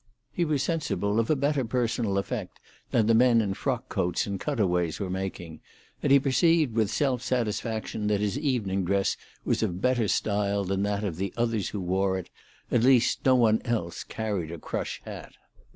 He was sensible of a better personal effect than the men in frock coats and cut aways were making, and he perceived with self satisfaction that his evening dress was of better style than that of the others who wore it; at least no one else carried a crush hat.